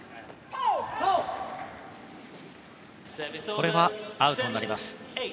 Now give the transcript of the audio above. これはアウトになります。